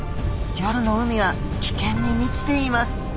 夜の海は危険に満ちています。